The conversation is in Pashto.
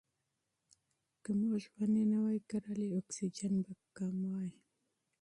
که موږ ونې نه وای کرلې اکسیجن به کم وای.